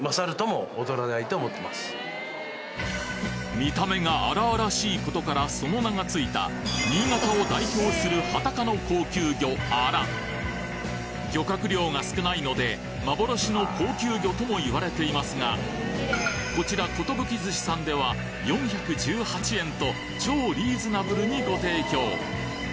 見た目が荒々しいことからその名がついた新潟を代表するハタ科の高級魚漁獲量が少ないので幻の高級魚とも言われていますがこちらことぶき寿司さんでは４１８円と超リーズナブルにご提供